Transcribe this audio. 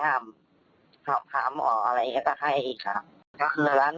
เห์ลอรับหมื่นครับ